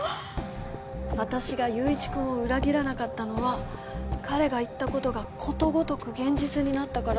私が友一くんを裏切らなかったのは彼が言った事がことごとく現実になったからです。